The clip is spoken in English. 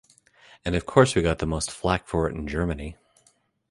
And of course we got the most flak for it in Germany.